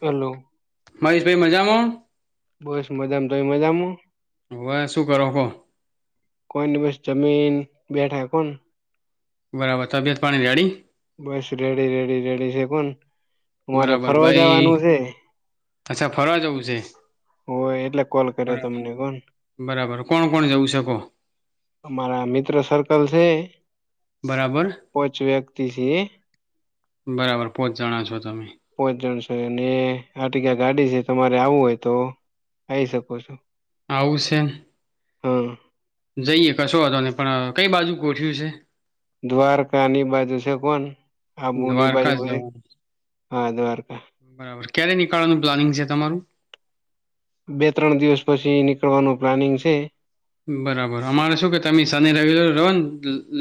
Hello. મહેશભાઈ, મજામાં? બસ, મજામાં તોય મજામોં? હવે શું કરો કહો કોઇને બસ જમીન, બેઠા. હં કોણ બરાબર, તબિયત પાણી રેડી? બસ, રેડી, રેડી, રેડી છે. કોણ અમારે બરાબર ફરવા ભાઈ જાવાનું છે. અચ્છા ફરવા જવું છે હોય એટલે કોલ કર્યો બરા તમને કોણ બરાબર કોણ કોણ જવું શકો અમારા મિત્ર સર્કલ છે બરાબર કોચ વ્યક્તિ છે બરાબર પોત જણ છો તમે પોહોચ જણ છે અને આ ટગ્યા ગાડી છે તમારે આવું હોય તો આઈ શકો છો આવુંશે હા જઈએ કશો હતો ને પણ કઈ બાજુ ગોઠ્યું છે દ્વારકાની બાજુ છે કોણ આબુની બાજુ દ્વારકા બધી જવાનું હાવારકા બરાબર ક્યારે નીકાળવાનું પ્લાનિંગ છે તમારું બે ત્રણ દિવસ પછી નીકળવાનું પ્લાનિંગ છે બરાબર અમારે શું કે તમે શને રવિલર લો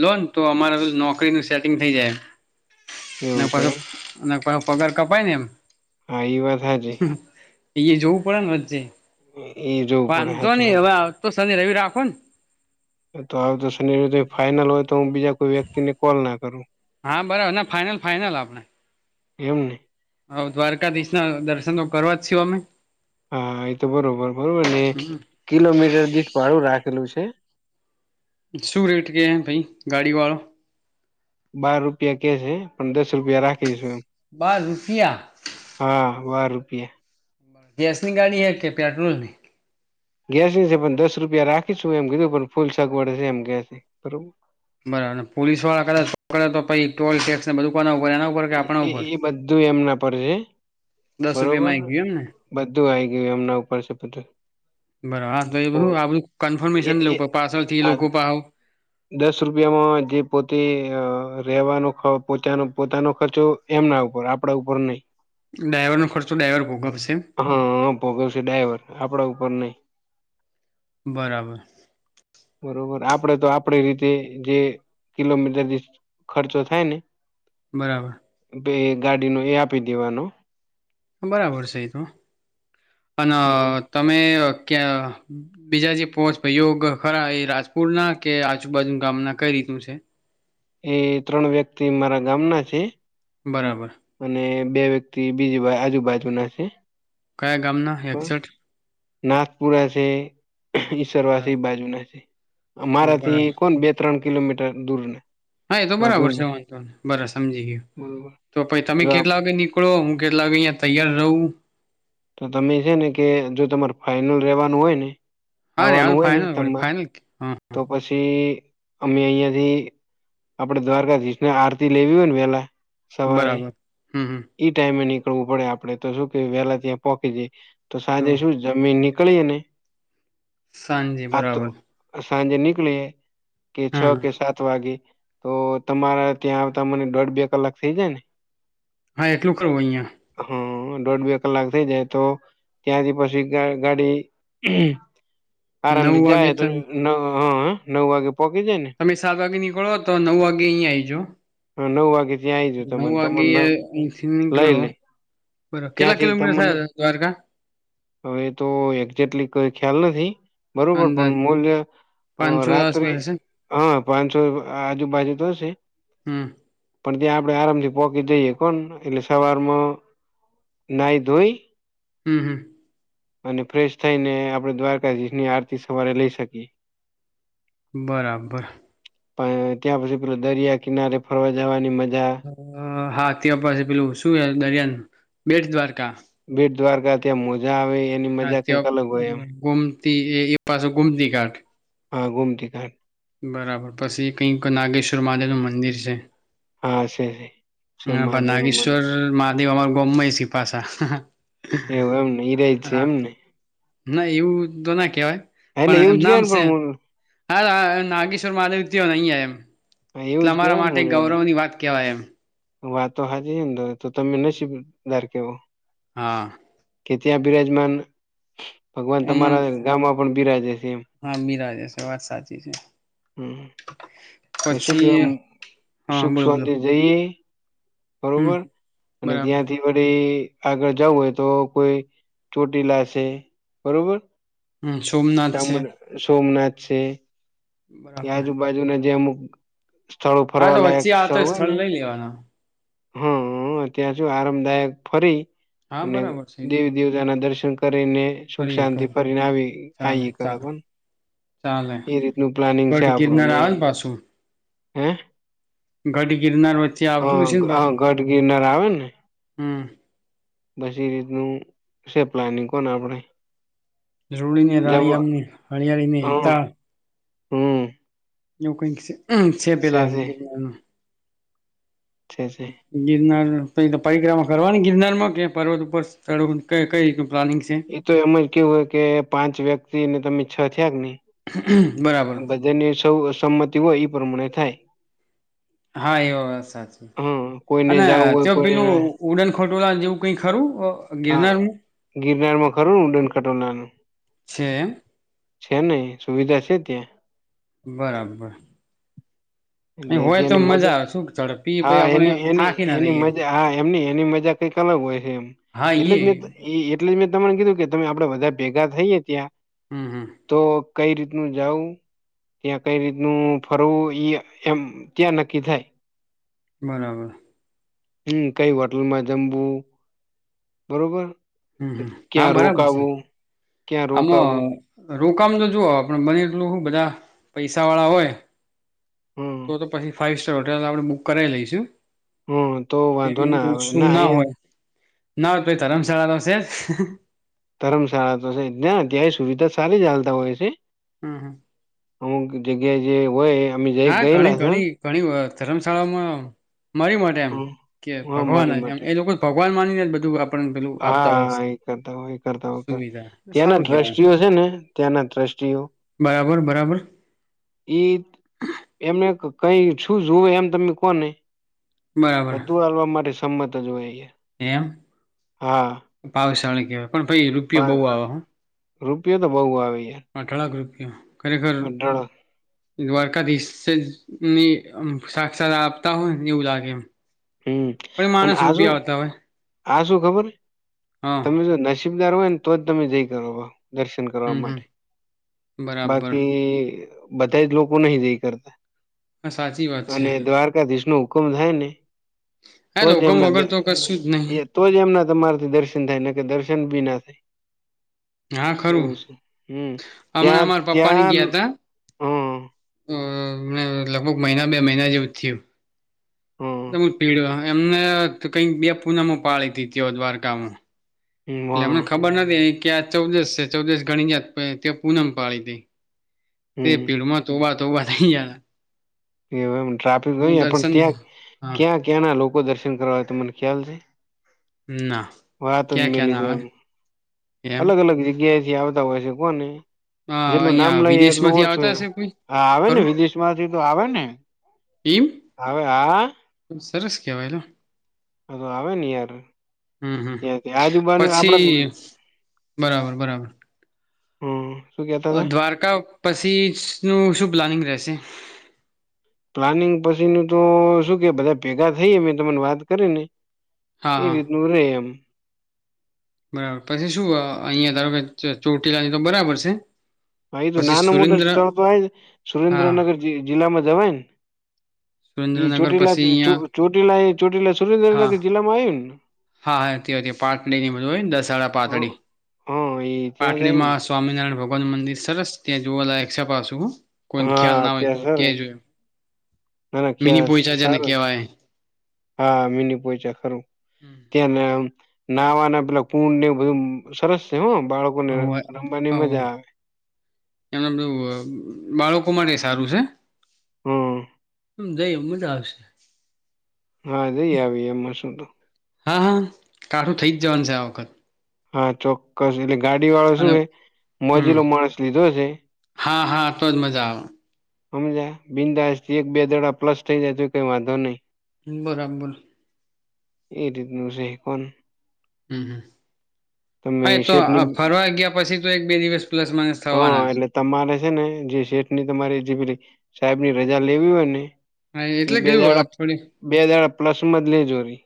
લોને તો અમારે નોકરીનું સેટિંગ થ જાય એવું છે પાછ એમ પાછો પગાર કપાય ને એમ હ એ વાત હા જ એ જવું પડે ને વચ્ચે એ જોવું પડે વાંધો હાચુ હે. નહી હવે તો શનિ રવ રાખો ને તો આવ તો શનિ ફાઈઇનલ હોય તો હું બીજા કોઈ વ્યક્તિને કોલ ના કરું હા બરાબર ના ફાઈનલ ફાઈનલ આપણે એમ નહી હ દ્વારકાધીશ ના દર્શન તો કરવા જ છીું અમે હા એ તો બરોબર બરોબર ને કિલોમીટર દી ભાડું રાખેલું છે શું રેટ કે ભાઈ ગાડી વાળો બાર રૂપિયા કે છે પણ દસ રૂપિયા રાખે કીશું એ બાર રૂપિયા હા બાર રૂપિયા ગેસ ની ગાડી હે કે પેટ્રોલ ની ગેસની છે પણ દસ રૂપિયા રાખીશું એમ કીધું પણ ફૂલ સગવડ છે એમ ગેસ બરોબર બરાર પોલીસ વાળા કદાચોકે તો પછ ટોલ ટેક્સને બધું કોના ઉપર એના ઉપર કે આપણા એ ઉપર એ બધું એમના પર છે દસ રૂપિયામાં બરોબર આવી ગયું એમ ને બધું આવી ગયું એમના ઉપર છે બધું બરાબ આધું એ કન્ફર્મેશન એ પાર્સલ થી આ લોકો દસ રૂપિયામાં જે પોતે રવાનો પોતાનો પોતાનો ખર્ચો એમના ઉપર આપડા ઉપર નહી ડાયવર ન ખર્ચ ડાયવર ભોગ હા હ ભોગવશે ડાઈવર આપડા ઉપર નહી બરાબર આપણેે તો આપડી રીતે જે કિલોમીટરથી ખર્ચો થાય ને બરાબર ગાડીનું એ આપી દેવાનું બરાબર છે એ તો અને બરોબર તમે કે બીજા જે પોચ ભાઈયો ખરા એ રાજપુરના કે આજુબાજુ ગામના કઈ રીતે કું છે એ ત્રણ વ્યક્તિ મારા ગામના છે બરાબર અને બે વ્યક્તિ બીજી બા આજુબાજુ ના છે કોણ એકસઠ નાથપુરા છે ઈસરવા છે બરાબર એ બાજુના છે મારાથી બરાબર. કોણ બે ત્રણ કિલોમીટર દૂર ને હા એ તો વધુ બરાબર ને છે વાંધ બરા સમજી ગયયો બરોબર તો પછ તમે જો આપ કેટલા વાગે નીકળો કેટલા કે અહિયાયા તૈયાર રહવું તો તમે છે ને કે જો તમારે ફાાઈનલ રેવાનું હોય ને હા રે હાલ આવવાનું હોય નહ ફાઈનલ વળી તમામાં ફાઈનલ હા તો પછી અમે અહિયાં થી આપડે દ્વારકાધીશને આરતી લેવી હોય ને પેલા બરાબર હમ હમ ઈ ટાઈમે નીકળવું પડે આપડે તો શું કે વહેહલા ત્યાં પોહકીી જાય તો સાંજે શું જમીન નીકળ કળ એને સાંજે બરાબર સાંજે નિકળ કે છ હા કે હા સાત વાગે તો તમારા ત્યાં આવતા મને દોઢ બે કલાક થઇ જાય ને હા એટલું કરવું અહિયાયા હા દોઢ બે કલાક થઈ જાય તો ત્યાંથી પછી ગાડી નવ આરામથી વાગે જાય તો ત નવ હ નવ વાગે પોહોંચી જાય ને તમે સાત વાગે નીકળો તો નવ વાગે અહીિયાયા આઈજો હ નવવાી ન આે સિ કું લઈ લે બરોબર કેટલા ત્યાંથી કિલોમીટર તમને થયા હતા દ્વારકા હવે તો એક્જેક્ટલી કોઈ ખ્યાલ નથી બરોબર પણ અંદાજ મૂલ્ય હ પાંચસો રાત્રે આસપાસ હશે ને હા પાંચ છો આજુબાજુ તો હશે હમ પણ ત્યાં આપડે આરામ થી પોકી જઈએ કોણ એટલે સવારમાં નાહી ધોઈ હમ હમ અને ફ્રેશ થઈને આપડણે દ્વારકાધી ની આરતી સવારે લઈ શકીએ. બરાબર. ત્યાં પછી પે દરિયા કિનારે ફરવા જવાની મજા હા ત્યાં પાસે પેલું શું દરિયાન બેટ દ્વારકા. બેટ દ્વારકા ત્યાં મોજા આવે એની હા મજા કંઈક ત્યાં અલગ હોય એમ. ગોમતી એ, એ પાસે ગુમતી ઘાટ. હા ઘુમતી ખ બરાબર પછી એ કઈક નાગેશ્વર મહાદેવનું મંદિર છે. હા છે. છે હ મહાદેવ નું મંદિર નાગેશ્વર માાદેવ અર ગમમે છે. પાશા હાહા. એવું એમ ઈરાય છે. એમને. ના એવું તો ના કહેવાય, પણ એવું એમ જ નામ કેવાય પણ છે. હું હા નાગેશ્વર માદવ નહીં એમ હા, એવું જ તમારા માટે ગૌરવની વાત કેહેવાય એમ. વા તો હાજીનેો તો તમે નદાર કેવો. હા. કે ત્યાં બિરાજમાન ભગવાન તમારા ગામમાં પણ બિરાજે છે એમ. હા બિરાજ વાત સાચી છે. હમ, એ સુું કે પછી હા સુખ બોલો બોલો શવાંતિ જઈએ. હમ બરોબર અને બરાબર ત્યાંથી બી આગળ જવું હોય તો કોઈ ચોટી લશે, બરોબર. હમ સોમનાથ છે તળ સોમનાથ છે. એ બરાબર આજુબાજુને જે અમુક સ્થળો, હા તો ફરવાલાયક વચ્ચે સ્થળ આવતા હોય ને. લઈ લેવાના હા ત્યાં થી આરામદાયક ફરી હા અને બરાબર છે એ તો દેવી દેવતાના દર્શન. કરીને સુખ કરીએ શાંતિ કરીએ ફરીને આવી ચાલે ચાલે આવી. ચાલે એ રીતનું પ્લાનિંગ છે. ગઢ ગિરનાર આપણુંને આવે ને હે. ઘડી ગિરનાર વ. હ હ ગઢ ગિરનાર આવે ને. હમ. બસી એ રીતનું છે પ્લાનિંગ કોને આપણે રૂડીને રાણી આમને હમ હળિયાળીનેતા હમ. એવું કઈક છે હમમ છે. છે છે ગિરનાર પરિક્રમા કરવાની ગિરનાર માં કે. પર્વત ઉપરળ કઈ કઈ પ્લાનિંગ છે એતો એમ જ કેવું હોય કે પાંચ વ્યક્તિ ને તમે છ થયા કે ને. બરાબર બધાની સૌ સંમતિ હોય પ્રમાણે થાય. હા એવ સાચી. હા કોઈને અને જવું ચ હોય કોઈને પેલું ના ઉડન ખોટોલા જેવું કઈ ખરું--. આ ગિરનારનું ગિરનારમાં ખરું ઉડન કાટ લન છે એમ છે નહ સુવિધા છે ત્યાં બરાબર. એ એલે જે હોય તો એની મજા. આવે શું ઝડપી પછી હા આપણે એની એની થાકી ના એની રહીએ મજા, હા એમની એની મજા કંઈક અલગ હોય છે એમ હા એટલે, એ એટલે મે તમને કીધું કે તમે આપડે બધા ભેગા થઈએ ત્યાં હમ, હમ. તો કઈ રીતનું જઉું, ત્યાં કઈ રીતનું ફરવું ઈ એમ ત્યાં નક્કી થાય. બરાબર. હમ કઈ હોટલમાં જમવું, બરોબર હમ હમ હા ક્યાં બરાબર છે રોકાવું, ક્યાં રોકાવું. આમાં રોકામ તો જુઓ આપ બને એટલું બધા પૈસા વાળા હોય હમ તો તો પછી ફાઈવ સ્ટાર હોટેલ આપણે બુક કરાવાઈ લઈશું હમ તો વાંધો પેમેન્ટ ના આવે ઓછું ના અહી હોય ના હોત ભાઈ ધરમશાળા તો છે જ ધરમશાળા તો છે ના ત્યાંય સુવિધા સારી ચાલતા હોય છે. હમ હમ. અમુક જગ્યા જે હોય અમે જઈ હા ઘણી ગયેલા છે ઘણી ઘણી વાત ધર્મશાળામાં મારી મટે એમ હમ કે હા ભગવાન મળી એમ માટે એ લોકો ભગવાન માનીને બધું આપણને પેલું આપતા હોય હા એ કરતા હો એ કરતા હો કરતા સુવિધા ત્યાંના સારું કેવાય એમ. ટ્રસ્ટીઓ છે ને ત્યાંના ટ્રસ્ટી ટ્રસ્ટીઓ બરાબર બરાબર. ઈ એમને કઈ શું જુવ એમ તમે કોને બરાબર બધું હાલવા માટે સંમત જ હોય એ એમ પાવશળ કહેવાય પણ પાઈ રૂપિયો બહુ પણ આવે હો રૂપિયો તો બહુ આવે યાર અઠ લાખ રૂપિયા ખરેખર અઢળક એકવાર [unintelligible] સાક્ષત સાક્ષાત આપતા હોય ને એવું લાગે એમ હમ પણ માણસ રૂપિયા આવતા હોય હા શું ખબર હા તમે જો નસીબદાર હોય ને તો જ તમે જઈ કરો દર્શન કરવા હમ હમ માટે બરાબર બાકી બધા જ લોકો નહી જઈ કરતા હા સાચી વાત છે અને દ્વારકાધીશ નું કમ થાય ને તો હા જ હુકમ એમના વગર દ તો કશું જ નહી એ તો જ એમના તમારેથી દર્શન થાયને કે દર્શન બી ના થાય હા ખરું એવું છે હમ હમણાં ત્યાં અમારા પપ્પાનેએ ત્યાં ગયા તા હમ અ લગભગ મહિના બે મહિના જેવું જ થયું. હમ [unintelligible] એમને કઈક બે પૂનામો પાળી હતી દ્વારકામાં એટલે હમને હમ ખબર નથી કે આ ચૌદશ છે ચૌદશ ઘણી જાત ત્યાં પૂનમ પાળી દેય તે હમ પીળમાં તોબા તોબા થઈ જાય એ એમ ટ્રાફિક નય પણ ત્યાં હા ક્યાં ક્યાં ના લોકો દર્શન કરવા તો મને ખ્યાલ છે ના વાત ક્યાં ક્યાં ના આવે [unintelligible] એમ અલગ અલગ જગ્યાથી આવતા હોય છે કોને જેટલું નામ અહિયાં લઈ વિદેશ એટલું માંથી આવતા ઓછું હશે કોઈ આ આવે ને ખરું વિદેશ માંથી તો આવે ને એમ આવે હા હા સરસ [unintelligible] આવે ને યાર હમ હમ ત્યાથી આજુબાજુ [unintelligible] પછી બરાબર બરાબર. હમ. શું કેતા હતા દ્વારકા પછીનું શું પ્લાનિંગ રહેશે? પ્લાનિંગ પછીનું તો શું કે બધા ભેગા થઈ મેં તમને વાત કરી ને હા એ હા રીતનું રહે એમ બરાબર પછી શું અહિયાં ધારો કે ચોટીલાની તો બરાબર છે હા એ તો પછી નાના મોટા સુરેન્દ્ર સ્થળ તો આ હા સુરેન્દ્રનગર જિલ્લામાં જવાય ને એ સુરેન્દ્રનગર ચોટીલા પછી અહિયાં ચોટીલા ચોટીલા હા સુરેન્દ્રનગર જિલ્લામાં આવ્યું ને હા હા હતી હતી પાતડી ની બધું હોય દસાડા હ પાતળી હા એ ત્યાં જ પાટડી આવ્યું ને માં સ્વામિનારાયણ ભગવાન નું મંદિર સરસ ત્યાં જોવા લાગક છે પાછું કોઈને ખ્યાલ હા ના હોય તો ત્યાં સર કેજો ના ના મિની ત્યાં પોઈચા જેને સારું છે. કહેવાય હા મીની પોઈચા ખરું ત્યાંના નહાવાના પેલા કુંડ ને બધું સરસ છે બાળકોને હોવે રમવાની હોવે મજા આવે એમને બધું બાળકો માટે સારું છે હમ જઈ એમ મજા આવશે હા [unintelligible] એમાં શું તો હા હા કાઠું થઈ જ જવાનું છે આ વખત હા ચોક્કસ એટલે ગાડી વાળો શું અને છે હમ મોજીલો માણસ લીધો છે હા હા તો જ મજા આવે [unintelligible] બિંદાસ થી એક બે દાળા પ્લસ થઇ જાય તો કઈ વાંધો નઈ બરાબર એ રીતનું છે કોન હમ હા તો શેઠની ફરવા ગયા પછી તો એક બે દિવસ પ્લસ માઇનસ હા થવાના જ એટલે તમારે છે ને જે શેઠ ની તમારી જે પેલી સાહેબની રજા લેવી હોય ને હા ઈ એટલે બે કેવું દાળા અઠવાડિયે બે દાળા પ્લસમાં જ [unintelligible]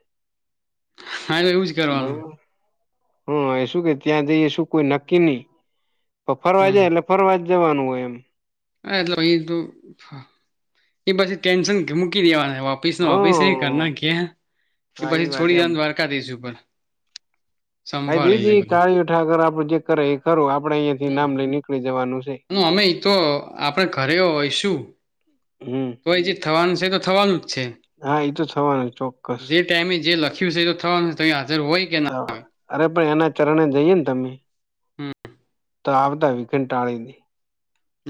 હા તો એવું જ કરવાનું હું એ શું કે ત્યાં જઈએ શું કોઈ નક્કી ની ફરવા હમ જાય એટલે ફરવા જવાનું હોય એમ હા એટલે એ તો એ પછી ટેન્શન મૂકી દેવાના ઓફિસનો ઓફિસ હા [unintelligible] હા એ પછી વાત છોડી એમ [unintelligible] દ્વારકા [unintelligible] ઉપર [unintelligible] સંભાળી લે આપડે બધું અહીયા થી નામ લઈ નીકળી જવાનું છે ઈ તો આપણેે ઘરે હોય શું હમ તો એ જે થવાનું છે તો થવાનું હા એ તો થવાનું ચોક્કસ જે ટાઈમે જે લખ્યું છે એ તો થવાનું છે ત હાજર હોય કે ના થવા હોય અરે પણ એના ચરણે જઈએ ને તમે હમ ત [unintelligible] ઘટાળીને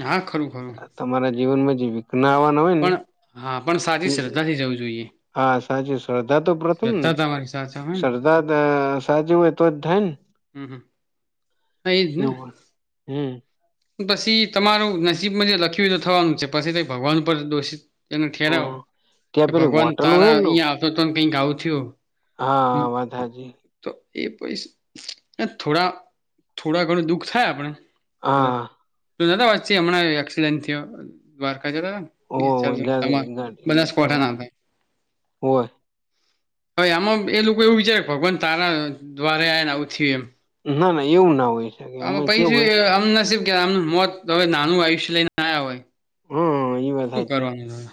હા ખરું ખરું તમારા જીવનમાં જ પણ હા પણ સારી એ શ્રદ્ધાથી જવું જોઈએ હા સાચી શ્ર્ધા તો પ્રથમ ને શ્રદ્ધા તમારી સાથે હે ને શ્ર્ધા સાચી હોય તો જ થાય ને હમ હમ હા એજ ને કેવ હમ પછી તમારું નસીબમાં જે લખ્યું તો થવાનું છે પછી ભગવાન ઉપર દોષિત એને ઠેરાવ હમ કે ત્યાં પેલી ભગવાન હોટલ તારા હોય ને અહીયા આવતો તોને કઈક આવું થયું હા વાત હાજી તો એ પૈસ થોડા થોડા ઘણું દુઃખ થાય આપણે કદાચ હા તો જા વાતચ હમણાં એક્સિડેન્ટ થયો દ્વારકા હો તમા ગાડી બધા સ્ઠા ના હતા હોય હવે આમાં એ લોકો એવું વિચારે ભગવાન તારા દ્વારે આને આવું થય એમ ના ના એવું ના હોય શકે આ અમે પછી કેવું જો હોય આમ નસીબ કે આમનું મોત હવે નાનું આયુષ્ય લઈને આ્યા હોય હમ એ વાથ શું સા છે કરવાનું હવે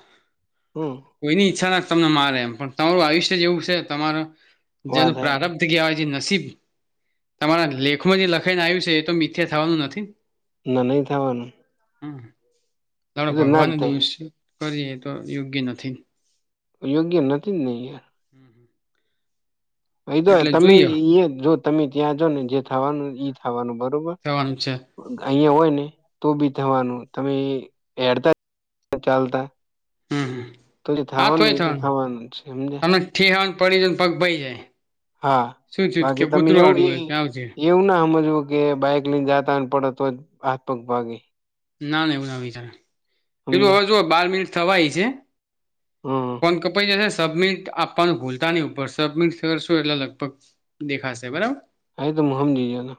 હમ કોઈની ઈચ્છા ના તમને મારે એમ પણ તમારું આયુષ્ય જેવું છે તમારો જેનો વાત હાચી પ્રારં્ભ થ ગયાવાય પછી તમારા લેખમાં જે લખાઈને આવ્યું છે એ તો મિથ્યા થવાનું નથી ના નહી થવાનું હમ આપણે એ તો ના જ ભગવાન થાય દોષિત કરીએ તો યોગ્ય નથી યોગ્ય નથી જ નહી યાર ભ તો એટલે તમે જોઈએ ઈ જો તમે ત્યાં જા ને જે થવાનું ઈ થવાનું બરોબ કેવાનું છે અહિયાં હોય ને તો બી થવાનું તમે હેડતા ચાલતા હમ તો જે હા તોય થવાનું તો થવાનું જ સમજે તમને ઠેહન પડી જ ને પગ ભાઈ જાય હા શું થયું કે બાકી તમે કૂતરું એવું આડું હોય એ કે આવજે એવું ના સમ કે બાઈક લઈને જતા ને પડે તો જ હાથ પગ ભાગે ના ના એવું ના વિચાર પેલું હવે સમજ્યા જો બાર મિનિટ થવાય છે હમ ફોન કપાઈ જ સબમિટ આપવાનું ભૂલતા નહી ઉપર સબમિટ કરશું એટલે લગભગ દેખાશે બરાબર હા તો મુહમ જીજે ન